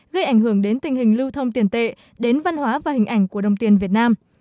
gây ảnh hưởng đến tình hình lưu thông tiền tệ đến văn hóa và hình ảnh của đồng tiền việt nam